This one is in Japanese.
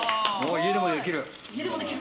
家でもできる。